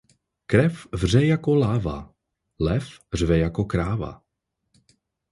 Krev vře jako láva - lev řve jako kráva.